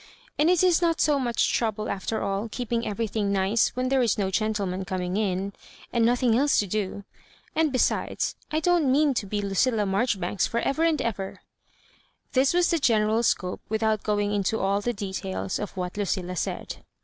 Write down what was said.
And it is not so much trouble atter all keeping everything nice when there is no gentleman ooming in, and no thing else to do. And, besides, I don't mean to be Lucilla Marjoribanks for ever and ever." This was the general scope, without going into all the details, of what Lucilla said.